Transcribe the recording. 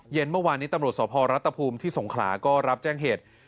เมื่อวานนี้ตำรวจสพรัฐภูมิที่สงขลาก็รับแจ้งเหตุ